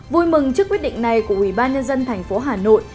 vui mừng trước quyết định này của ubnd tp hà nội